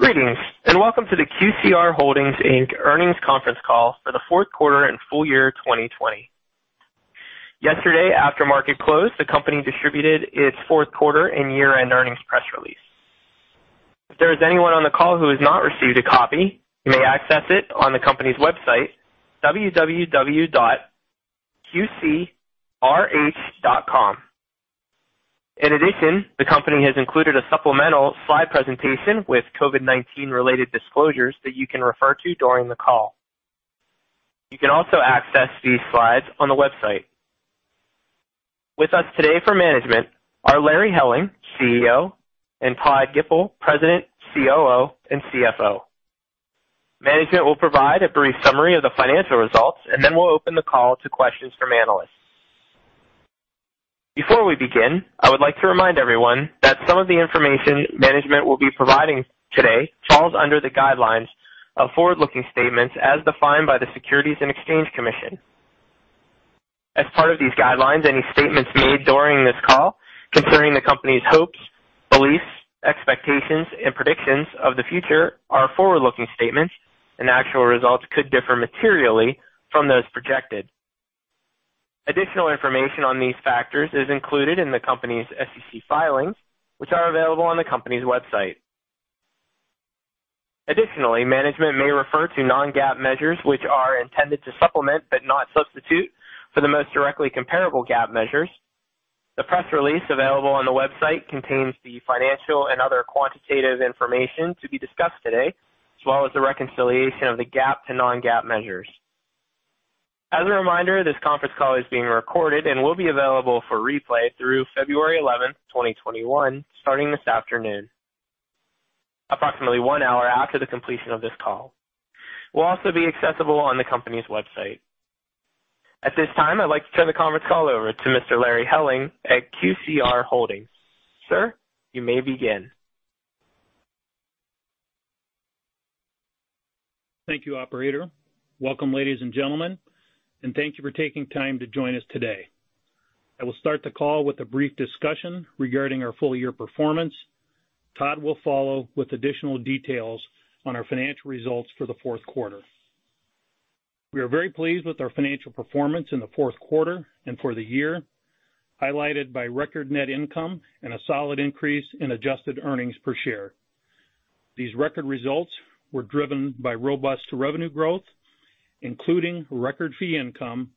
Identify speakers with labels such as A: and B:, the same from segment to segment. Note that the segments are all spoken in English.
A: Greetings and welcome to the QCR Holdings earnings conference call for the fourth quarter and full year 2020. Yesterday, after market close, the company distributed its fourth quarter and year-end earnings press release. If there is anyone on the call who has not received a copy, you may access it on the company's website, www.qcrh.com. In addition, the company has included a supplemental slide presentation with COVID-19-related disclosures that you can refer to during the call. You can also access these slides on the website. With us today for management are Larry Helling, CEO, and Todd Gipple, President, COO, and CFO. Management will provide a brief summary of the financial results, and then we'll open the call to questions from analysts. Before we begin, I would like to remind everyone that some of the information management will be providing today falls under the guidelines of forward-looking statements as defined by the Securities and Exchange Commission. As part of these guidelines, any statements made during this call concerning the company's hopes, beliefs, expectations, and predictions of the future are forward-looking statements, and actual results could differ materially from those projected. Additional information on these factors is included in the company's SEC filings, which are available on the company's website. Additionally, management may refer to non-GAAP measures, which are intended to supplement but not substitute for the most directly comparable GAAP measures. The press release available on the website contains the financial and other quantitative information to be discussed today, as well as the reconciliation of the GAAP to non-GAAP measures. As a reminder, this conference call is being recorded and will be available for replay through February 11, 2021, starting this afternoon, approximately one hour after the completion of this call. It will also be accessible on the company's website. At this time, I'd like to turn the conference call over to Mr. Larry Helling at QCR Holdings. Sir, you may begin.
B: Thank you, Operator. Welcome, ladies and gentlemen, and thank you for taking time to join us today. I will start the call with a brief discussion regarding our full-year performance. Todd will follow with additional details on our financial results for the fourth quarter. We are very pleased with our financial performance in the fourth quarter and for the year, highlighted by record net income and a solid increase in adjusted earnings per share. These record results were driven by robust revenue growth, including record fee income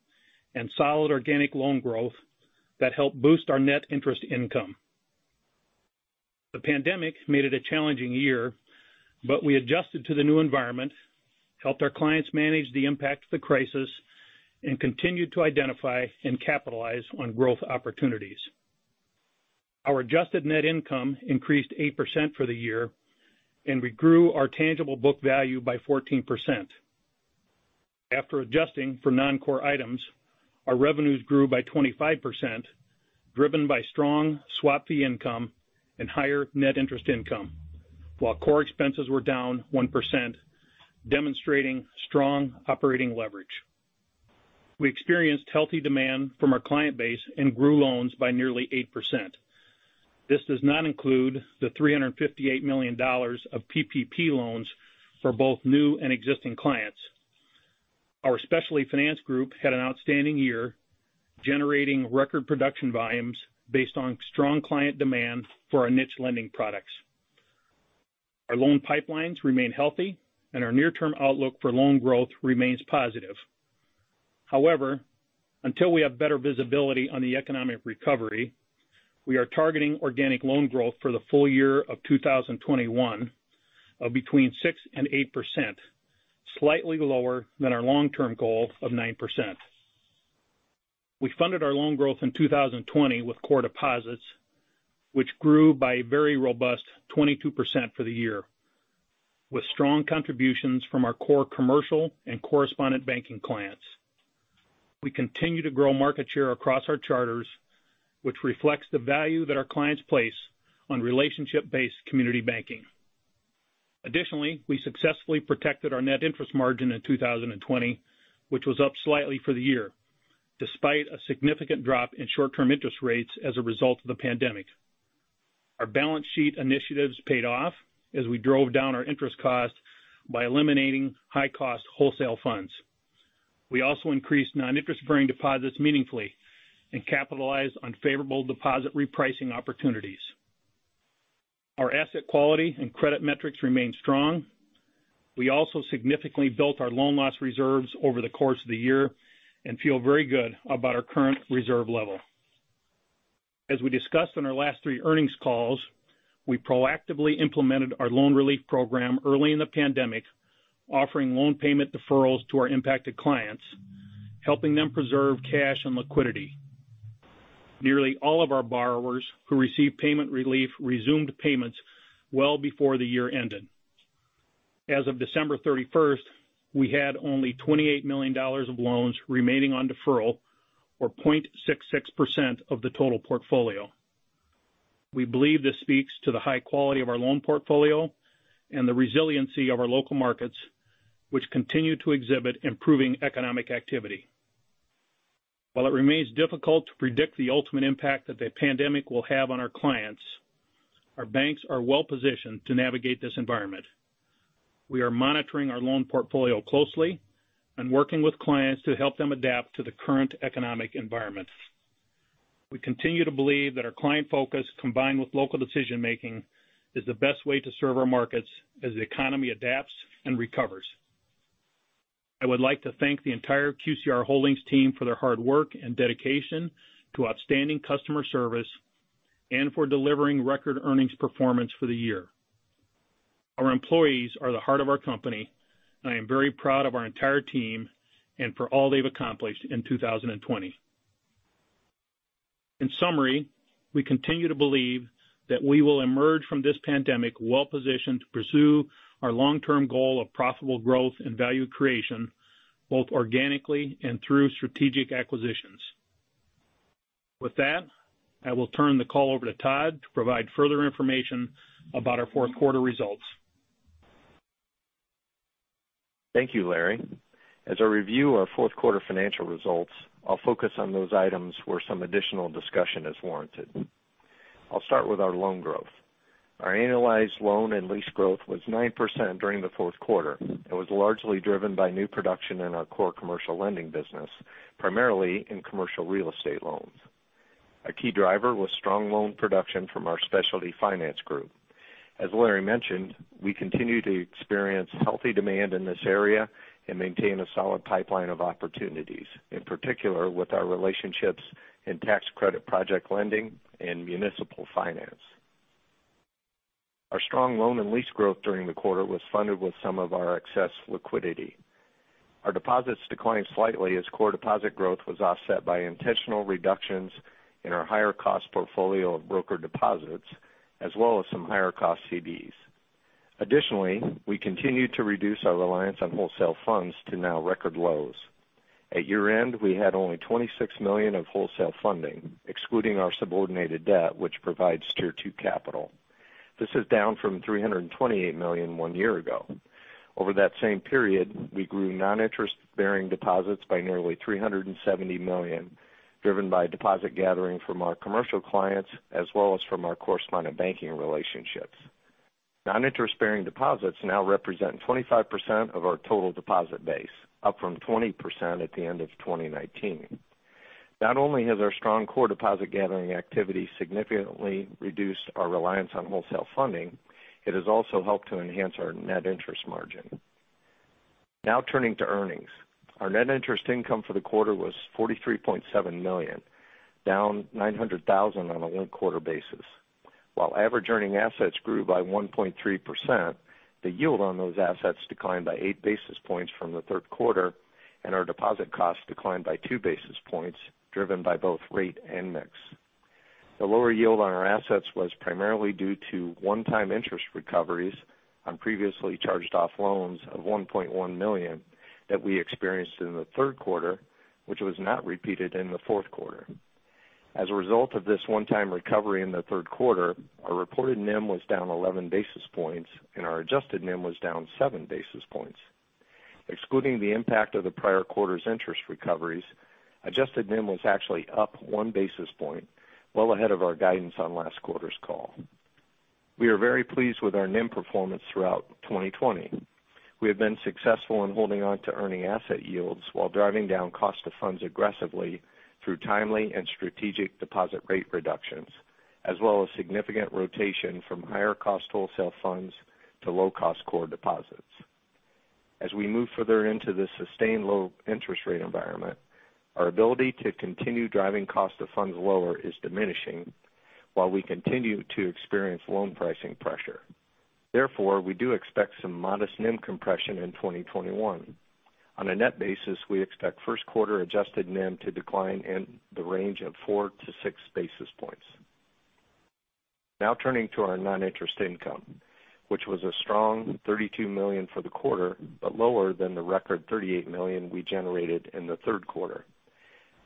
B: and solid organic loan growth that helped boost our net interest income. The pandemic made it a challenging year, but we adjusted to the new environment, helped our clients manage the impact of the crisis, and continued to identify and capitalize on growth opportunities. Our adjusted net income increased 8% for the year, and we grew our tangible book value by 14%. After adjusting for non-core items, our revenues grew by 25%, driven by strong swap fee income and higher net interest income, while core expenses were down 1%, demonstrating strong operating leverage. We experienced healthy demand from our client base and grew loans by nearly 8%. This does not include the $358 million of PPP loans for both new and existing clients. Our specialty finance group had an outstanding year, generating record production volumes based on strong client demand for our niche lending products. Our loan pipelines remain healthy, and our near-term outlook for loan growth remains positive. However, until we have better visibility on the economic recovery, we are targeting organic loan growth for the full year of 2021 of between 6% and 8%, slightly lower than our long-term goal of 9%. We funded our loan growth in 2020 with core deposits, which grew by a very robust 22% for the year, with strong contributions from our core commercial and correspondent banking clients. We continue to grow market share across our charters, which reflects the value that our clients place on relationship-based community banking. Additionally, we successfully protected our net interest margin in 2020, which was up slightly for the year, despite a significant drop in short-term interest rates as a result of the pandemic. Our balance sheet initiatives paid off as we drove down our interest cost by eliminating high-cost wholesale funds. We also increased non-interest-bearing deposits meaningfully and capitalized on favorable deposit repricing opportunities. Our asset quality and credit metrics remain strong. We also significantly built our loan loss reserves over the course of the year and feel very good about our current reserve level. As we discussed in our last three earnings calls, we proactively implemented our loan relief program early in the pandemic, offering loan payment deferrals to our impacted clients, helping them preserve cash and liquidity. Nearly all of our borrowers who received payment relief resumed payments well before the year ended. As of December 31st, we had only $28 million of loans remaining on deferral, or 0.66% of the total portfolio. We believe this speaks to the high quality of our loan portfolio and the resiliency of our local markets, which continue to exhibit improving economic activity. While it remains difficult to predict the ultimate impact that the pandemic will have on our clients, our banks are well-positioned to navigate this environment. We are monitoring our loan portfolio closely and working with clients to help them adapt to the current economic environment. We continue to believe that our client focus, combined with local decision-making, is the best way to serve our markets as the economy adapts and recovers. I would like to thank the entire QCR Holdings team for their hard work and dedication to outstanding customer service and for delivering record earnings performance for the year. Our employees are the heart of our company, and I am very proud of our entire team and for all they've accomplished in 2020. In summary, we continue to believe that we will emerge from this pandemic well-positioned to pursue our long-term goal of profitable growth and value creation, both organically and through strategic acquisitions. With that, I will turn the call over to Todd to provide further information about our fourth quarter results.
C: Thank you, Larry. As I review our fourth quarter financial results, I'll focus on those items where some additional discussion is warranted. I'll start with our loan growth. Our annualized loan and lease growth was 9% during the fourth quarter. It was largely driven by new production in our core commercial lending business, primarily in commercial real estate loans. A key driver was strong loan production from our specialty finance group. As Larry mentioned, we continue to experience healthy demand in this area and maintain a solid pipeline of opportunities, in particular with our relationships in tax credit project lending and municipal finance. Our strong loan and lease growth during the quarter was funded with some of our excess liquidity. Our deposits declined slightly as core deposit growth was offset by intentional reductions in our higher-cost portfolio of broker deposits, as well as some higher-cost CDs. Additionally, we continued to reduce our reliance on wholesale funds to now record lows. At year-end, we had only $26 million of wholesale funding, excluding our subordinated debt, which provides tier two capital. This is down from $328 million one year ago. Over that same period, we grew non-interest-bearing deposits by nearly $370 million, driven by deposit gathering from our commercial clients as well as from our correspondent banking relationships. Non-interest-bearing deposits now represent 25% of our total deposit base, up from 20% at the end of 2019. Not only has our strong core deposit gathering activity significantly reduced our reliance on wholesale funding, it has also helped to enhance our net interest margin. Now turning to earnings, our net interest income for the quarter was $43.7 million, down $900,000 on a one-quarter basis. While average earning assets grew by 1.3%, the yield on those assets declined by eight basis points from the third quarter, and our deposit costs declined by two basis points, driven by both rate and mix. The lower yield on our assets was primarily due to one-time interest recoveries on previously charged-off loans of $1.1 million that we experienced in the third quarter, which was not repeated in the fourth quarter. As a result of this one-time recovery in the third quarter, our reported NIM was down 11 basis points, and our adjusted NIM was down 7 basis points. Excluding the impact of the prior quarter's interest recoveries, adjusted NIM was actually up one basis point, well ahead of our guidance on last quarter's call. We are very pleased with our NIM performance throughout 2020. We have been successful in holding on to earning asset yields while driving down cost of funds aggressively through timely and strategic deposit rate reductions, as well as significant rotation from higher-cost wholesale funds to low-cost core deposits. As we move further into this sustained low-interest rate environment, our ability to continue driving cost of funds lower is diminishing while we continue to experience loan pricing pressure. Therefore, we do expect some modest NIM compression in 2021. On a net basis, we expect first quarter adjusted NIM to decline in the range of four to six basis points. Now turning to our non-interest income, which was a strong $32 million for the quarter but lower than the record $38 million we generated in the third quarter.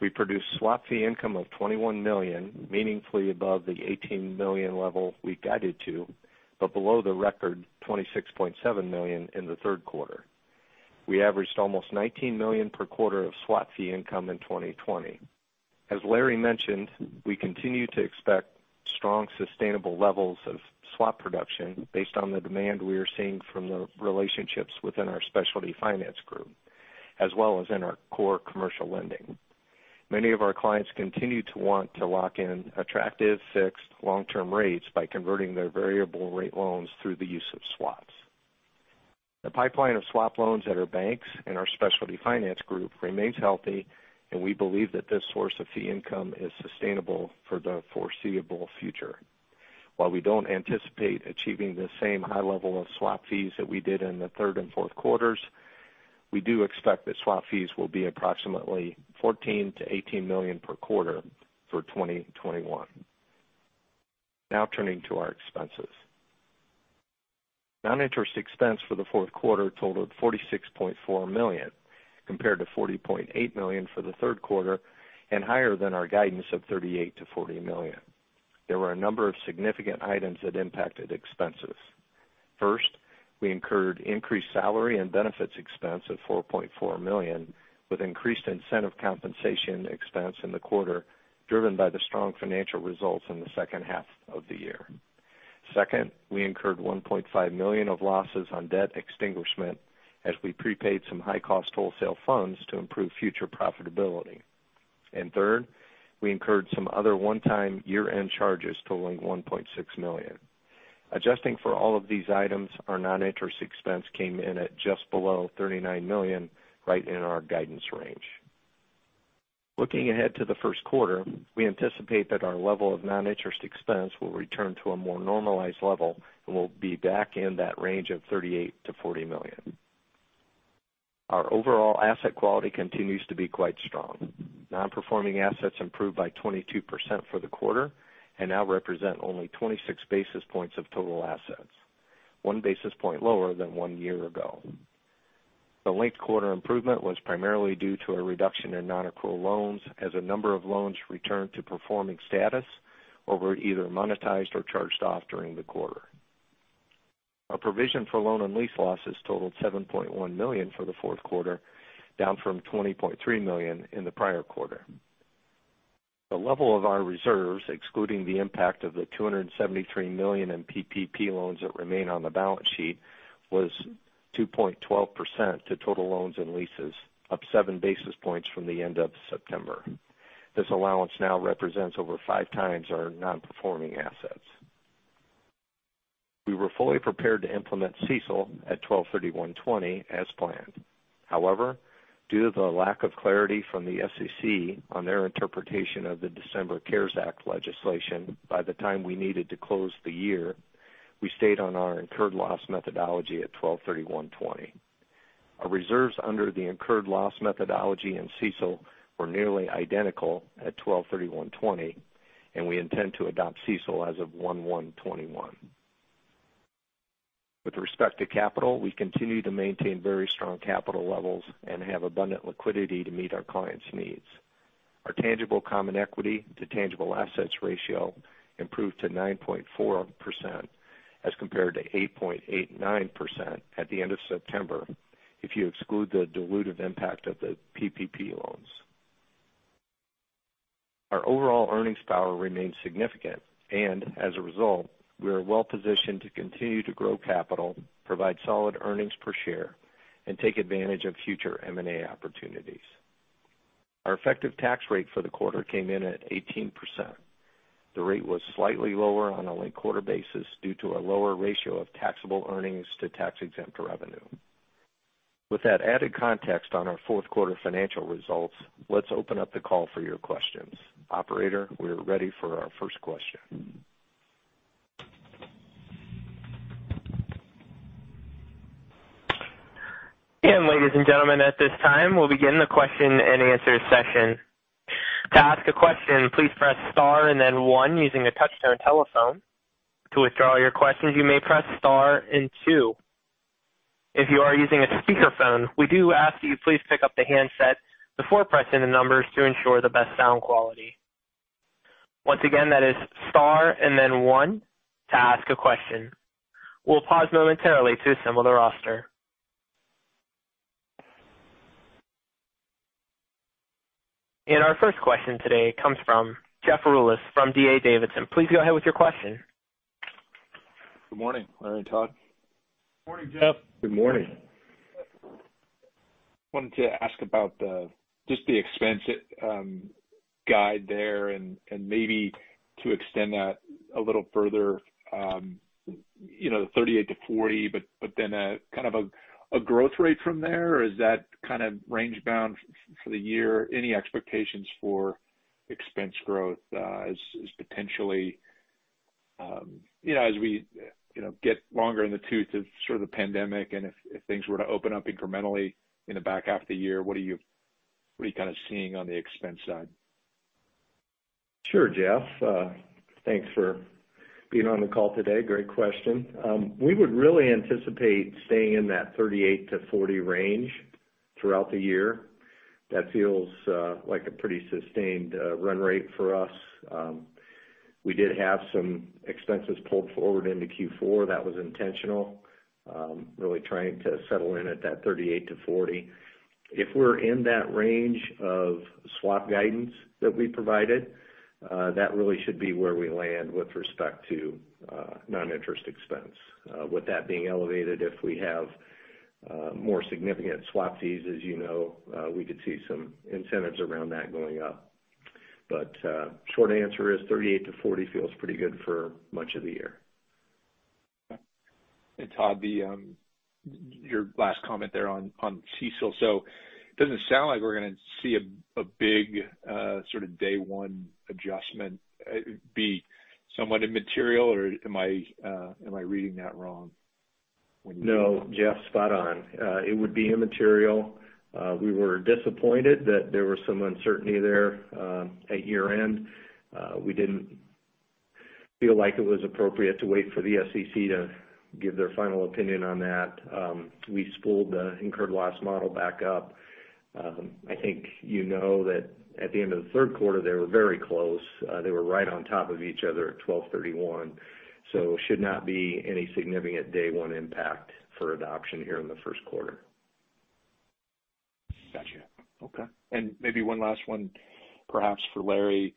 C: We produced swap fee income of $21 million, meaningfully above the $18 million level we guided to, but below the record $26.7 million in the third quarter. We averaged almost $19 million per quarter of swap fee income in 2020. As Larry mentioned, we continue to expect strong sustainable levels of swap production based on the demand we are seeing from the relationships within our specialty finance group, as well as in our core commercial lending. Many of our clients continue to want to lock in attractive fixed long-term rates by converting their variable rate loans through the use of swaps. The pipeline of swap loans at our banks and our specialty finance group remains healthy, and we believe that this source of fee income is sustainable for the foreseeable future. While we don't anticipate achieving the same high level of swap fees that we did in the third and fourth quarters, we do expect that swap fees will be approximately $14 million-$18 million per quarter for 2021. Now turning to our expenses. Non-interest expense for the fourth quarter totaled $46.4 million, compared to $40.8 million for the third quarter and higher than our guidance of $38 million-$40 million. There were a number of significant items that impacted expenses. First, we incurred increased salary and benefits expense of $4.4 million, with increased incentive compensation expense in the quarter driven by the strong financial results in the second half of the year. Second, we incurred $1.5 million of losses on debt extinguishment as we prepaid some high-cost wholesale funds to improve future profitability. Third, we incurred some other one-time year-end charges totaling $1.6 million. Adjusting for all of these items, our non-interest expense came in at just below $39 million, right in our guidance range. Looking ahead to the first quarter, we anticipate that our level of non-interest expense will return to a more normalized level and will be back in that range of $38million-$40 million. Our overall asset quality continues to be quite strong. Non-performing assets improved by 22% for the quarter and now represent only 26 basis points of total assets, one basis point lower than one year ago. The linked quarter improvement was primarily due to a reduction in non-accrual loans as a number of loans returned to performing status or were either monetized or charged off during the quarter. Our provision for loan and lease losses totaled $7.1 million for the fourth quarter, down from $20.3 million in the prior quarter. The level of our reserves, excluding the impact of the $273 million in PPP loans that remain on the balance sheet, was 2.12% to total loans and leases, up seven basis points from the end of September. This allowance now represents over five times our non-performing assets. We were fully prepared to implement CECL at 12/31/2020 as planned. However, due to the lack of clarity from the SEC on their interpretation of the December CARES Act legislation, by the time we needed to close the year, we stayed on our incurred loss methodology at 12/31/2020. Our reserves under the incurred loss methodology and CECL were nearly identical at 12/31/2020, and we intend to adopt CECL as of 1/1/2021. With respect to capital, we continue to maintain very strong capital levels and have abundant liquidity to meet our clients' needs. Our tangible common equity to tangible assets ratio improved to 9.4% as compared to 8.89% at the end of September, if you exclude the dilutive impact of the PPP loans. Our overall earnings power remains significant, and as a result, we are well-positioned to continue to grow capital, provide solid earnings per share, and take advantage of future M&A opportunities. Our effective tax rate for the quarter came in at 18%. The rate was slightly lower on a linked quarter basis due to a lower ratio of taxable earnings to tax-exempt revenue. With that added context on our fourth quarter financial results, let's open up the call for your questions. Operator, we're ready for our first question.
A: Ladies and gentlemen, at this time, we'll begin the question and answer session. To ask a question, please press star and then one using a touch-tone telephone. To withdraw your questions, you may press star and two. If you are using a speakerphone, we do ask that you please pick up the handset before pressing the numbers to ensure the best sound quality. Once again, that is star and then one to ask a question. We'll pause momentarily to assemble the roster. Our first question today comes from Jeff Rulis from D.A. Davidson. Please go ahead with your question.
D: Good morning. Larry and Todd.
C: Good morning, Jeff.
B: Good morning.
D: Wanted to ask about just the expense guide there and maybe to extend that a little further, the 38-40, but then kind of a growth rate from there. Is that kind of range bound for the year? Any expectations for expense growth as potentially, as we get longer in the tooth of sort of the pandemic and if things were to open up incrementally in the back half of the year, what are you kind of seeing on the expense side?
C: Sure, Jeff. Thanks for being on the call today. Great question. We would really anticipate staying in that 38-40 range throughout the year. That feels like a pretty sustained run rate for us. We did have some expenses pulled forward into Q4. That was intentional, really trying to settle in at that 38-40. If we're in that range of swap guidance that we provided, that really should be where we land with respect to non-interest expense, with that being elevated. If we have more significant swap fees, as you know, we could see some incentives around that going up. Short answer is 38-40 feels pretty good for much of the year.
D: Todd, your last comment there on CECL. It does not sound like we are going to see a big sort of day one adjustment be somewhat immaterial, or am I reading that wrong?
C: No, Jeff, spot on. It would be immaterial. We were disappointed that there was some uncertainty there at year-end. We didn't feel like it was appropriate to wait for the SEC to give their final opinion on that. We spooled the incurred loss model back up. I think you know that at the end of the third quarter, they were very close. They were right on top of each other at 12/31. It should not be any significant day one impact for adoption here in the first quarter.
D: Gotcha. Okay. Maybe one last one, perhaps for Larry.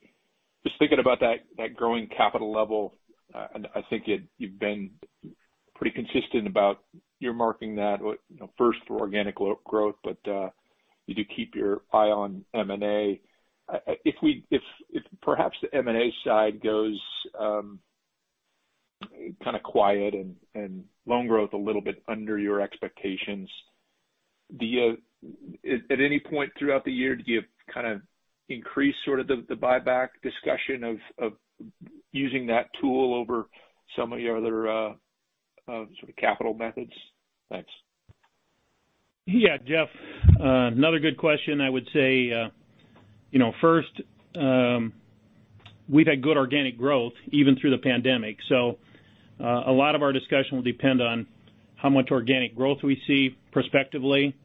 D: Just thinking about that growing capital level, I think you've been pretty consistent about your marking that first for organic growth, but you do keep your eye on M&A. If perhaps the M&A side goes kind of quiet and loan growth a little bit under your expectations, at any point throughout the year, do you kind of increase sort of the buyback discussion of using that tool over some of your other sort of capital methods? Thanks.
B: Yeah, Jeff. Another good question, I would say. First, we've had good organic growth even through the pandemic. A lot of our discussion will depend on how much organic growth we see prospectively.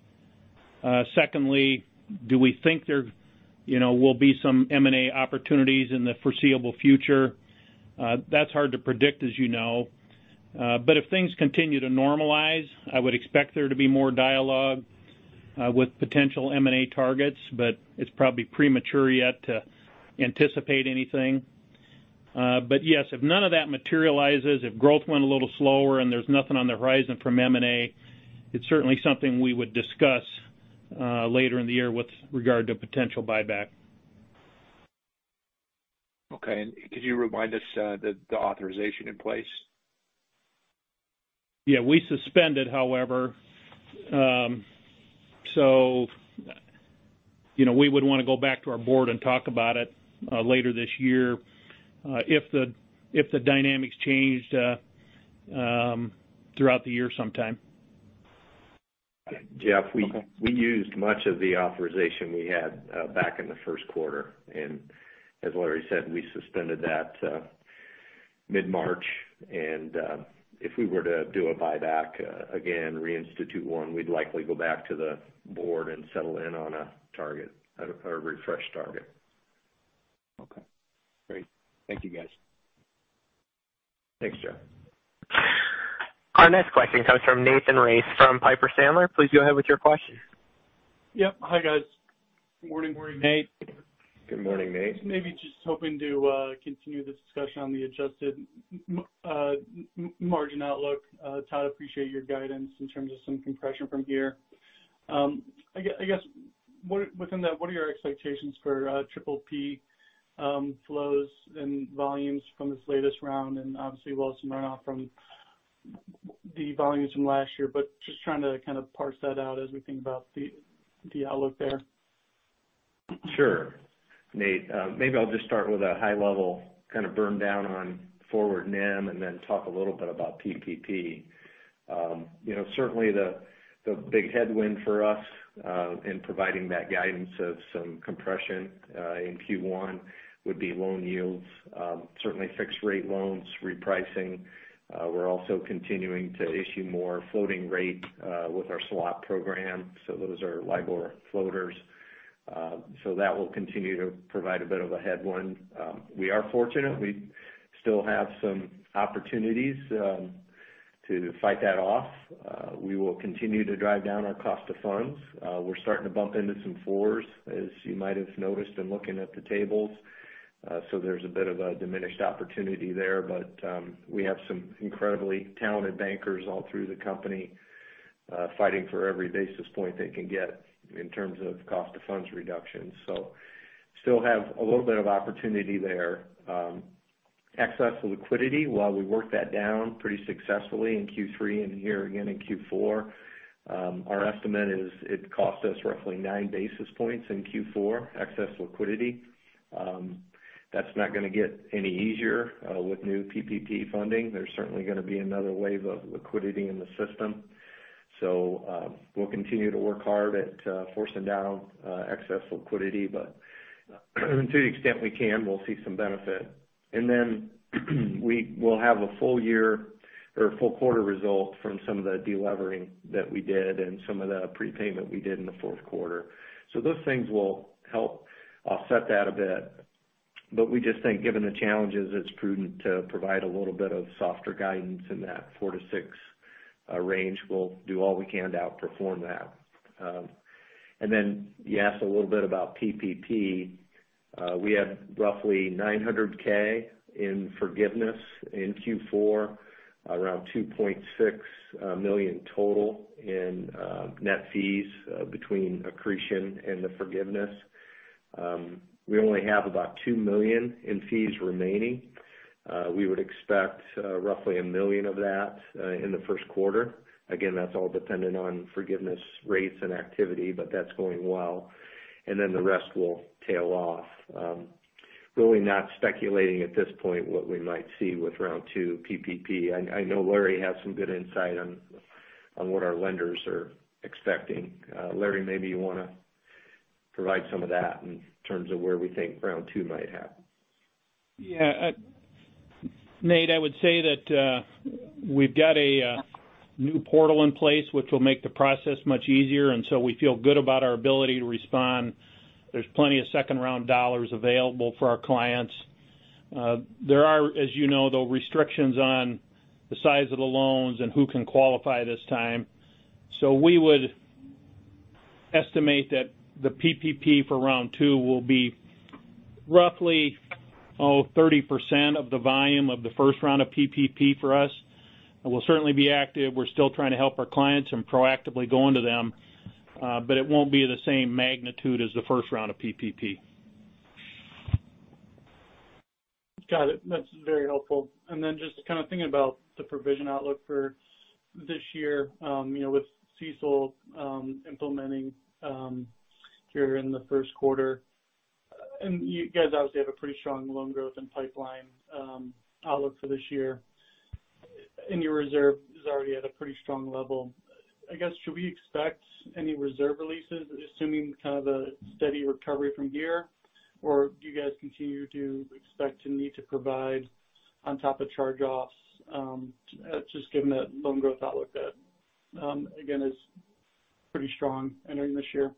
B: Secondly, do we think there will be some M&A opportunities in the foreseeable future? That's hard to predict, as you know. If things continue to normalize, I would expect there to be more dialogue with potential M&A targets, but it's probably premature yet to anticipate anything. Yes, if none of that materializes, if growth went a little slower and there's nothing on the horizon from M&A, it's certainly something we would discuss later in the year with regard to potential buyback.
D: Okay. Could you remind us that the authorization in place?
B: Yeah, we suspended, however. We would want to go back to our board and talk about it later this year if the dynamics changed throughout the year sometime.
C: Jeff, we used much of the authorization we had back in the first quarter. As Larry said, we suspended that mid-March. If we were to do a buyback again, reinstitute one, we'd likely go back to the board and settle in on a target, a refreshed target.
D: Okay. Great. Thank you, guys.
C: Thanks, Jeff.
A: Our next question comes from Nathan Race from Piper Sandler. Please go ahead with your question.
E: Yep. Hi, guys.
B: Morning, Nate.
C: Good morning, Nate.
E: Maybe just hoping to continue the discussion on the adjusted margin outlook. Todd, appreciate your guidance in terms of some compression from here. I guess within that, what are your expectations for PPP flows and volumes from this latest round? Obviously, we'll have some runoff from the volumes from last year, but just trying to kind of parse that out as we think about the outlook there.
C: Sure, Nate. Maybe I'll just start with a high-level kind of burn down on forward NIM and then talk a little bit about PPP. Certainly, the big headwind for us in providing that guidance of some compression in Q1 would be loan yields, certainly fixed-rate loans, repricing. We're also continuing to issue more floating rate with our swap program. Those are LIBOR floaters. That will continue to provide a bit of a headwind. We are fortunate. We still have some opportunities to fight that off. We will continue to drive down our cost of funds. We're starting to bump into some floors, as you might have noticed in looking at the tables. There's a bit of a diminished opportunity there, but we have some incredibly talented bankers all through the company fighting for every basis point they can get in terms of cost of funds reduction. Still have a little bit of opportunity there. Excess liquidity, while we worked that down pretty successfully in Q3 and here again in Q4, our estimate is it cost us roughly nine basis points in Q4, excess liquidity. That is not going to get any easier with new PPP funding. There is certainly going to be another wave of liquidity in the system. We will continue to work hard at forcing down excess liquidity, but to the extent we can, we will see some benefit. We will have a full year or full quarter result from some of the delevering that we did and some of the prepayment we did in the fourth quarter. Those things will help offset that a bit. We just think, given the challenges, it is prudent to provide a little bit of softer guidance in that four-six range. We'll do all we can to outperform that. You asked a little bit about PPP. We have roughly $900,000 in forgiveness in Q4, around $2.6 million total in net fees between accretion and the forgiveness. We only have about $2 million in fees remaining. We would expect roughly $1 million of that in the first quarter. Again, that's all dependent on forgiveness rates and activity, but that's going well. The rest will tail off. Really not speculating at this point what we might see with round two PPP. I know Larry has some good insight on what our lenders are expecting. Larry, maybe you want to provide some of that in terms of where we think round two might have.
B: Yeah. Nate, I would say that we've got a new portal in place, which will make the process much easier. We feel good about our ability to respond. There's plenty of second-round dollars available for our clients. There are, as you know, though, restrictions on the size of the loans and who can qualify this time. We would estimate that the PPP for round two will be roughly, oh, 30% of the volume of the first round of PPP for us. We'll certainly be active. We're still trying to help our clients and proactively go into them, but it won't be the same magnitude as the first round of PPP.
E: Got it. That's very helpful. Just kind of thinking about the provision outlook for this year with CECL implementing here in the first quarter. You guys obviously have a pretty strong loan growth and pipeline outlook for this year, and your reserve is already at a pretty strong level. I guess, should we expect any reserve releases, assuming kind of a steady recovery from here, or do you guys continue to expect to need to provide on top of charge-offs, just given that loan growth outlook that, again, is pretty strong entering this year?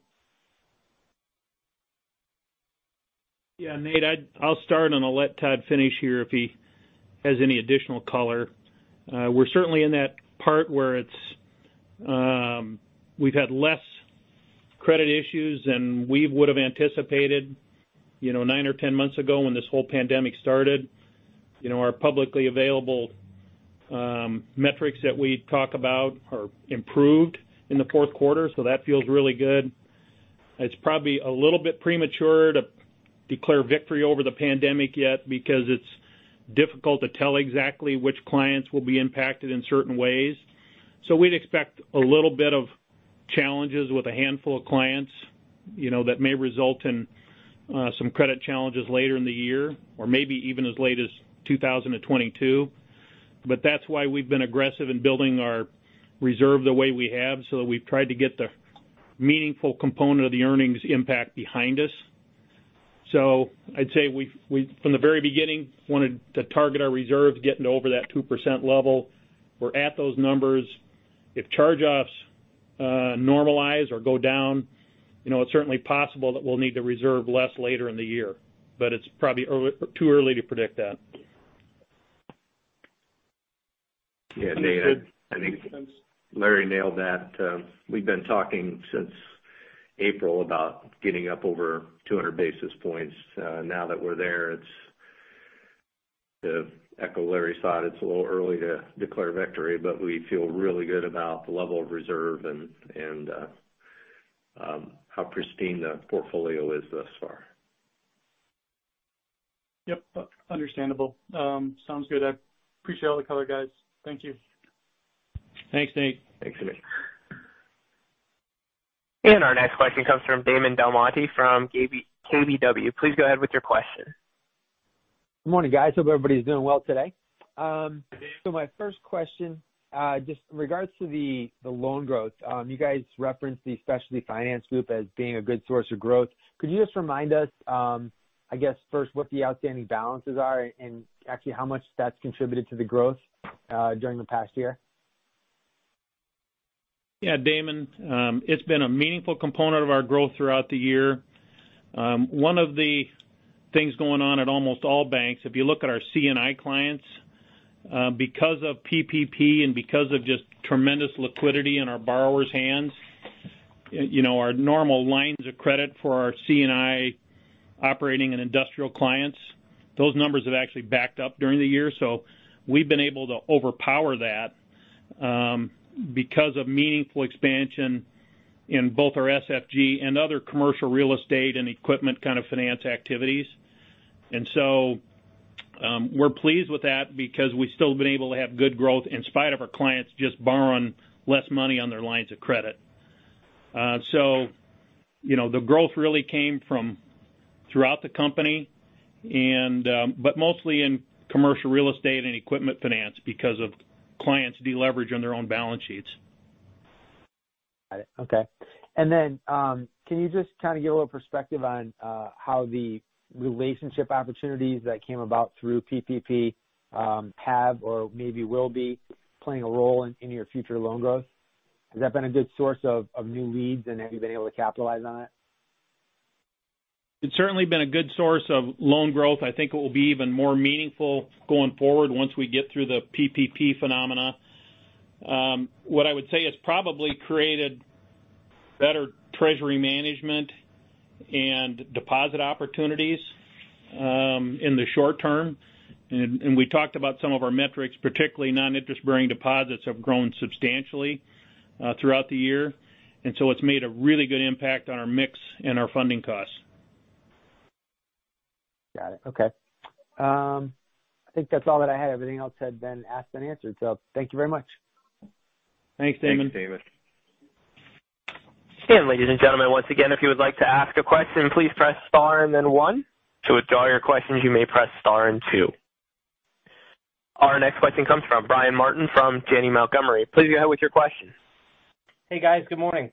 B: Yeah, Nate, I'll start and I'll let Todd finish here if he has any additional color. We're certainly in that part where we've had less credit issues than we would have anticipated nine or 10 months ago when this whole pandemic started. Our publicly available metrics that we talk about are improved in the fourth quarter, so that feels really good. It's probably a little bit premature to declare victory over the pandemic yet because it's difficult to tell exactly which clients will be impacted in certain ways. We'd expect a little bit of challenges with a handful of clients that may result in some credit challenges later in the year or maybe even as late as 2022. That's why we've been aggressive in building our reserve the way we have, so that we've tried to get the meaningful component of the earnings impact behind us. I'd say we, from the very beginning, wanted to target our reserves getting over that 2% level. We're at those numbers. If charge-offs normalize or go down, it's certainly possible that we'll need to reserve less later in the year, but it's probably too early to predict that.
C: Yeah, Nate, I think Larry nailed that. We've been talking since April about getting up over 200 basis points. Now that we're there, to echo Larry's thought, it's a little early to declare victory, but we feel really good about the level of reserve and how pristine the portfolio is thus far.
E: Yep. Understandable. Sounds good. I appreciate all the color, guys. Thank you.
B: Thanks, Nate.
C: Thanks, Nate.
A: Our next question comes from Damon DelMonte from KBW. Please go ahead with your question.
F: Good morning, guys. Hope everybody's doing well today. My first question, just in regards to the loan growth, you guys referenced the specialty finance group as being a good source of growth. Could you just remind us, I guess, first, what the outstanding balances are and actually how much that's contributed to the growth during the past year?
B: Yeah, Damon, it's been a meaningful component of our growth throughout the year. One of the things going on at almost all banks, if you look at our C&I clients, because of PPP and because of just tremendous liquidity in our borrowers' hands, our normal lines of credit for our C&I operating and industrial clients, those numbers have actually backed up during the year. We've been able to overpower that because of meaningful expansion in both our SFG and other commercial real estate and equipment finance activities. We're pleased with that because we've still been able to have good growth in spite of our clients just borrowing less money on their lines of credit. The growth really came from throughout the company, but mostly in commercial real estate and equipment finance because of clients deleveraging their own balance sheets.
F: Got it. Okay. Can you just kind of give a little perspective on how the relationship opportunities that came about through PPP have or maybe will be playing a role in your future loan growth? Has that been a good source of new leads, and have you been able to capitalize on it?
B: It's certainly been a good source of loan growth. I think it will be even more meaningful going forward once we get through the PPP phenomena. What I would say has probably created better treasury management and deposit opportunities in the short term. We talked about some of our metrics, particularly non-interest-bearing deposits, have grown substantially throughout the year. It's made a really good impact on our mix and our funding costs.
F: Got it. Okay. I think that's all that I had. Everything else had been asked and answered. Thank you very much.
B: Thanks, Damon.
C: Thanks, Damon.
A: Ladies and gentlemen, once again, if you would like to ask a question, please press star and then one. To withdraw your questions, you may press star and two. Our next question comes from Brian Martin from Janney Montgomery. Please go ahead with your question.
G: Hey, guys. Good morning.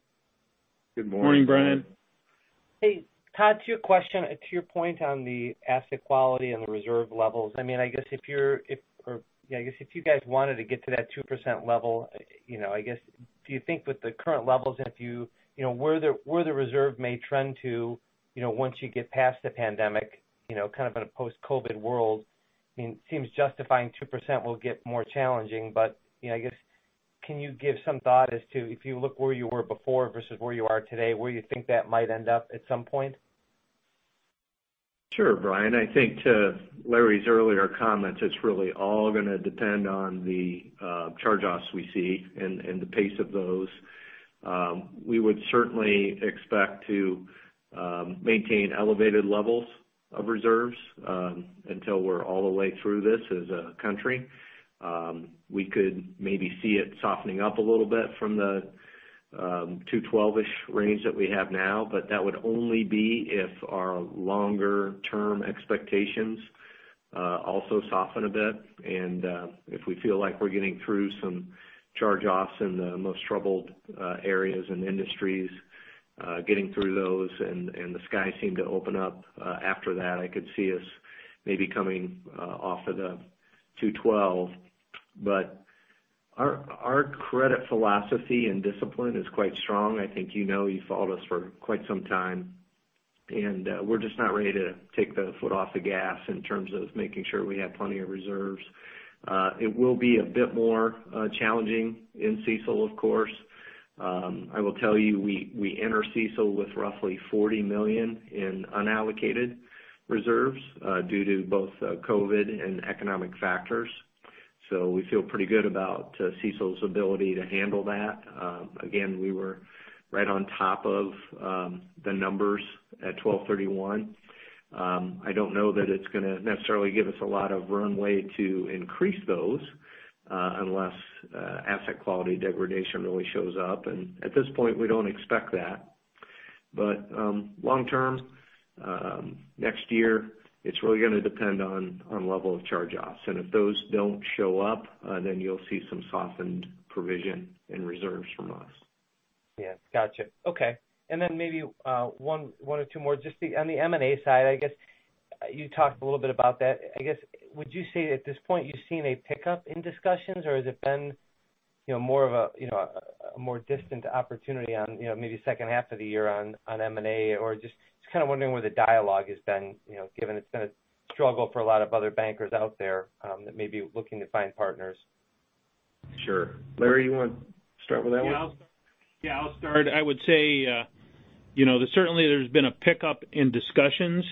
B: Good morning, Brian.
G: Hey, Todd, to your question, to your point on the asset quality and the reserve levels, I mean, I guess if you're—yeah, I guess if you guys wanted to get to that 2% level, I guess, do you think with the current levels and if you—where the reserve may trend to once you get past the pandemic, kind of in a post-COVID world, I mean, it seems justifying 2% will get more challenging. I guess, can you give some thought as to if you look where you were before versus where you are today, where you think that might end up at some point?
C: Sure, Brian. I think to Larry's earlier comments, it's really all going to depend on the charge-offs we see and the pace of those. We would certainly expect to maintain elevated levels of reserves until we're all the way through this as a country. We could maybe see it softening up a little bit from the 212-ish range that we have now, but that would only be if our longer-term expectations also soften a bit. If we feel like we're getting through some charge-offs in the most troubled areas and industries, getting through those, and the sky seemed to open up after that, I could see us maybe coming off of the 212. Our credit philosophy and discipline is quite strong. I think you know you've followed us for quite some time. We are just not ready to take the foot off the gas in terms of making sure we have plenty of reserves. It will be a bit more challenging in CECL, of course. I will tell you, we enter CECL with roughly $40 million in unallocated reserves due to both COVID and economic factors. We feel pretty good about CECL's ability to handle that. Again, we were right on top of the numbers at 12/31. I do not know that it is going to necessarily give us a lot of runway to increase those unless asset quality degradation really shows up. At this point, we do not expect that. Long term, next year, it is really going to depend on level of charge-offs. If those do not show up, then you will see some softened provision and reserves from us.
G: Yeah. Gotcha. Okay. Maybe one or two more. Just on the M&A side, I guess, you talked a little bit about that. I guess, would you say at this point you've seen a pickup in discussions, or has it been more of a more distant opportunity on maybe second half of the year on M&A? Just kind of wondering where the dialogue has been, given it's been a struggle for a lot of other bankers out there that may be looking to find partners.
C: Sure. Larry, you want to start with that one?
B: Yeah. I'll start. I would say certainly there's been a pickup in discussions,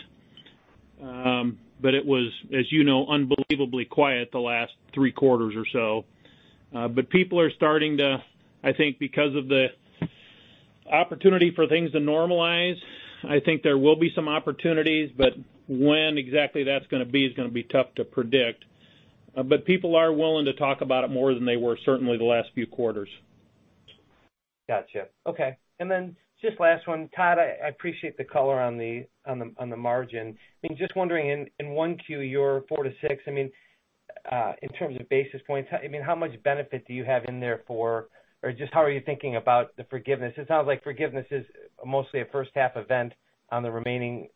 B: but it was, as you know, unbelievably quiet the last three quarters or so. People are starting to, I think, because of the opportunity for things to normalize, I think there will be some opportunities. When exactly that's going to be is going to be tough to predict. People are willing to talk about it more than they were certainly the last few quarters.
G: Gotcha. Okay. And then just last one. Todd, I appreciate the color on the margin. I mean, just wondering, in one Q, your four to six, I mean, in terms of basis points, I mean, how much benefit do you have in there for, or just how are you thinking about the forgiveness? It sounds like forgiveness is mostly a first-half event on the remaining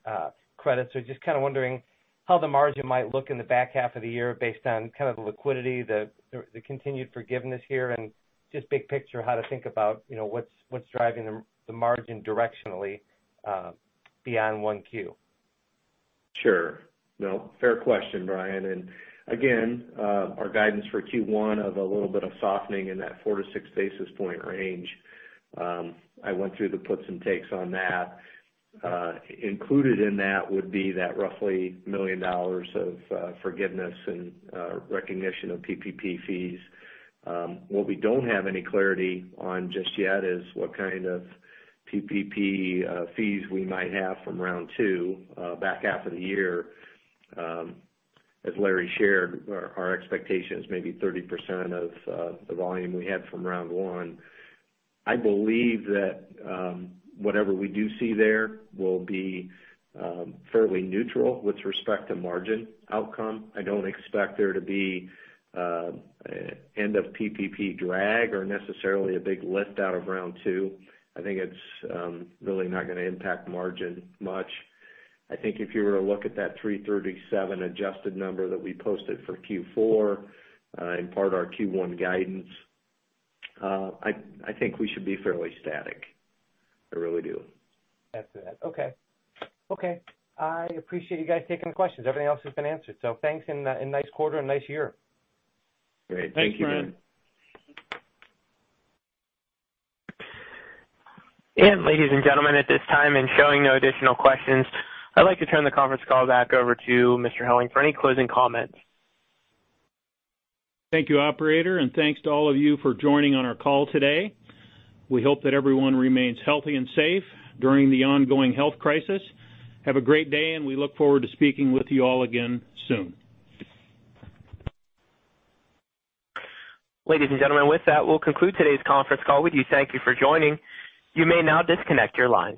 G: credits. Just kind of wondering how the margin might look in the back half of the year based on kind of the liquidity, the continued forgiveness here, and just big picture how to think about what's driving the margin directionally beyond one Q.
C: Sure. No, fair question, Brian. Again, our guidance for Q1 of a little bit of softening in that four to six basis point range. I went through the puts and takes on that. Included in that would be that roughly $1 million of forgiveness and recognition of PPP fees. What we do not have any clarity on just yet is what kind of PPP fees we might have from round two back half of the year. As Larry shared, our expectation is maybe 30% of the volume we had from round one. I believe that whatever we do see there will be fairly neutral with respect to margin outcome. I do not expect there to be end-of-PPP drag or necessarily a big lift out of round two. I think it is really not going to impact margin much. I think if you were to look at that 337 adjusted number that we posted for Q4 in part of our Q1 guidance, I think we should be fairly static. I really do.
G: That's it. Okay. Okay. I appreciate you guys taking the questions. Everything else has been answered. Thanks and a nice quarter and a nice year.
C: Great. Thank you, Brian.
B: Thanks, Brian.
A: Ladies and gentlemen, at this time, showing no additional questions, I'd like to turn the conference call back over to Mr. Helling for any closing comments.
B: Thank you, operator, and thanks to all of you for joining on our call today. We hope that everyone remains healthy and safe during the ongoing health crisis. Have a great day, and we look forward to speaking with you all again soon.
A: Ladies and gentlemen, with that, we'll conclude today's conference call. We do thank you for joining. You may now disconnect your lines.